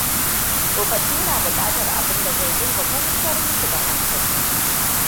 Tsofaffi na bukatar abin da zai dinga kwanatar musu da hankali.